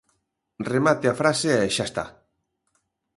Remate a frase, e xa está.